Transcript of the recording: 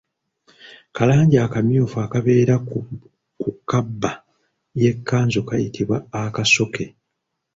Kalangi akamyufu akabeera ku kabba y’ekkanzu kayitibwa Akasoke.